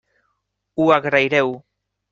Ho agraireu.